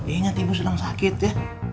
ingat ibu sedang sakit ya